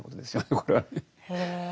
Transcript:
これはね。